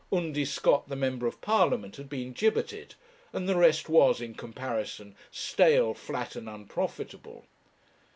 Undy Scott, the member of Parliament, had been gibbeted, and the rest was, in comparison, stale, flat, and unprofitable.